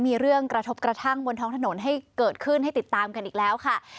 มีเรื่องกระทบกระทั่งบนท้องถนนให้เกิดขึ้นให้ติดตามกันอีกแล้วค่ะ